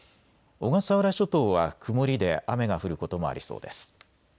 小笠原諸島は曇りで雨が降ることもありそうです。